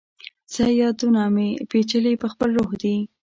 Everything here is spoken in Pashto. څه یادونه مي، پیچلي پخپل روح کي